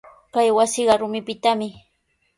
Kay wasiqa rumipitami.